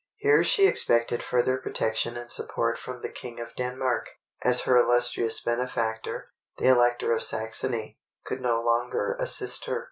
Here she expected further protection and support from the King of Denmark, as her illustrious benefactor, the Elector of Saxony, could no longer assist her.